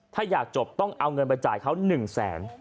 ถ้าอยากจบต้องเอาเงินไปจ่ายเขา๑แสน